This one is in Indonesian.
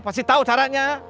pasti tau caranya